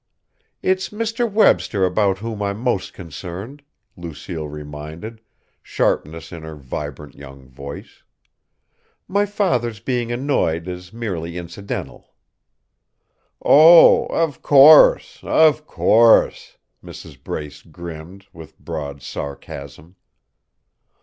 "It's Mr. Webster about whom I am most concerned," Lucille reminded, sharpness in her vibrant young voice. "My father's being annoyed is merely incidental." "Oh, of course! Of course," Mrs. Brace grinned, with broad sarcasm.